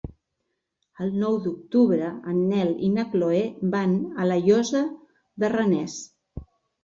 El nou d'octubre en Nel i na Chloé van a la Llosa de Ranes.